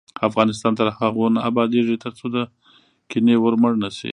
افغانستان تر هغو نه ابادیږي، ترڅو د کینې اور مړ نشي.